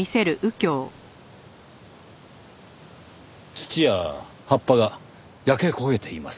土や葉っぱが焼け焦げています。